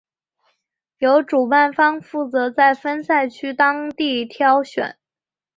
由主办方负责在分赛区当地挑选。